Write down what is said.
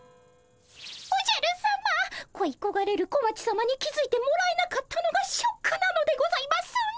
おじゃるさまこいこがれる小町さまに気付いてもらえなかったのがショックなのでございますね。